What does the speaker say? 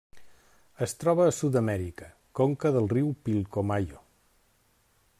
Es troba a Sud-amèrica: conca del riu Pilcomayo.